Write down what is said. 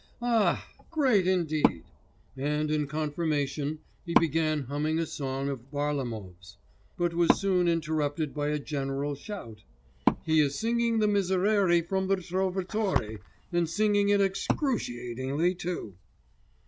'Ah! great indeed!' and in confirmation he began humming a song of Varlamov's, but was soon interrupted by a general shout, 'He is singing the Miserere from the Trovatore, and singing it excruciatingly too.